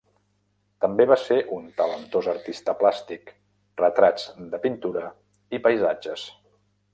També va ser un talentós artista plàstic, retrats de pintura i paisatges.